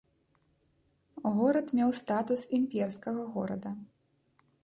Горад меў статус імперскага горада.